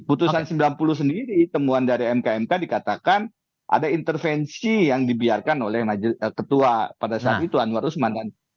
putusan sembilan puluh sendiri temuan dari mkmk dikatakan ada intervensi yang dibiarkan oleh ketua pada saat itu anwar usman